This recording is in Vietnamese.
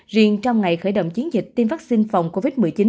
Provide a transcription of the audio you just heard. riêng trong ngày khởi động chiến dịch tiêm vaccine phòng covid một mươi chín